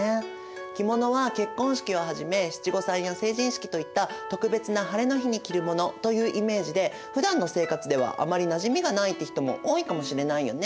着物は結婚式をはじめ七五三や成人式といった特別なハレの日に着るものというイメージでふだんの生活ではあまりなじみがないって人も多いかもしれないよね。